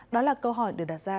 đó là câu hỏi được đặt ra